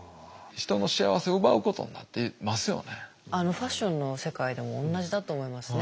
ファッションの世界でも同じだと思いますね。